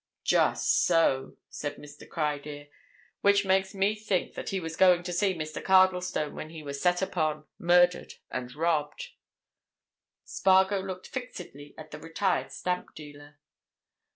"Just so," said Mr. Criedir. "Which makes me think that he was going to see Mr. Cardlestone when he was set upon, murdered, and robbed." Spargo looked fixedly at the retired stamp dealer.